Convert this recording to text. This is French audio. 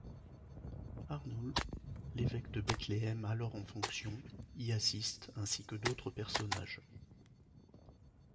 Arnoul, l'évêque de Bethléem alors en fonction, y assiste ainsi que d'autres personnages.